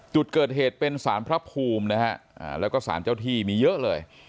จุดเกิดเหตุเป็นสารพระภูมินะฮะแล้วก็สารเจ้าที่มีเยอะเลย